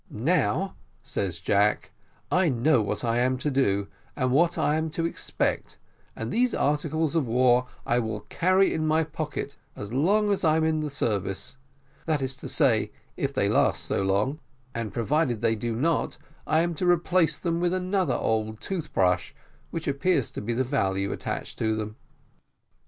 "Now," says Jack, "I know what I am to do, and what I am to expect, and these articles of war I will carry in my pocket as long as I'm in the service; that is to say, if they last so long; and, provided they do not, I am able to replace them with another old tooth brush, which appears to be the value attached to them."